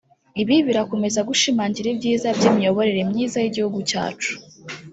ibi birakomeza gushimangira ibyiza by’imiyoborere myiza y’igihugu cyacu